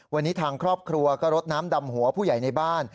วันนี้ทางครอบครัวก็รดน้ำดำหัวผู้ใหญ่ในบ้าน